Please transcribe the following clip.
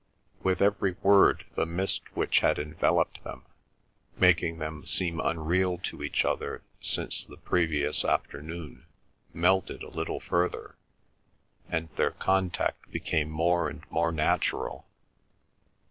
With every word the mist which had enveloped them, making them seem unreal to each other, since the previous afternoon melted a little further, and their contact became more and more natural.